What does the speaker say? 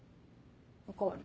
お代わり。